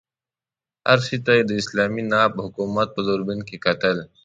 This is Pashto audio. هر شي ته یې د اسلامي ناب حکومت په دوربین کې کتل.